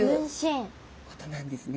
ことなんですね。